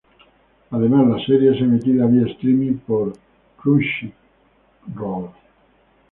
Además, la serie es emitida vía "streaming" por Crunchyroll.